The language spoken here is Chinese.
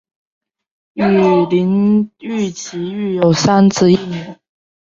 与林堉琪育有三子一女。